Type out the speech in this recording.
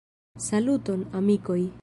Saluton, amikoj!